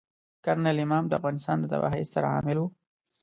کرنل امام د افغانستان د تباهۍ ستر عامل وي.